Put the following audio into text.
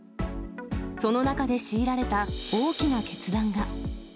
その中で強いられた大きな決断が。